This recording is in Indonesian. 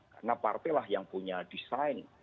karena partailah yang punya desain